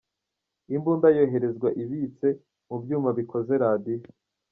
Imbunda yoherezwa ibitse mu byuma bikoze radio.